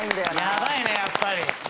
やばいねやっぱり。